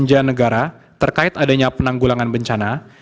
anggaran belanja negara terkait adanya penanggulangan bencana